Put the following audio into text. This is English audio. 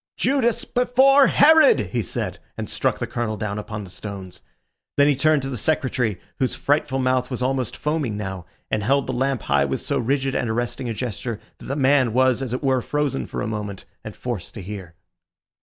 "Judas before Herod!" he said, and struck the Colonel down upon the stones. Then he turned to the Secretary, whose frightful mouth was almost foaming now, and held the lamp high with so rigid and arresting a gesture, that the man was, as it were, frozen for a moment, and forced to hear.